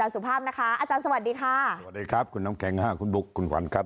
สวัสดีครับคุณน้ำแข็งห้าคุณบุ๊คคุณขวัญครับ